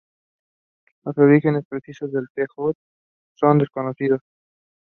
Grant represented the Scotland international rugby union team twice.